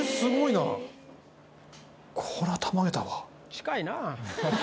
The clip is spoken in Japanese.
近いな。